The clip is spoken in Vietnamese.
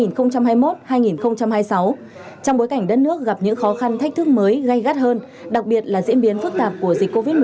trong bối cảnh đất nước gặp những khó khăn thách thức mới gây gắt hơn đặc biệt là diễn biến phức tạp của dịch covid một mươi chín